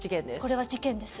これは事件です。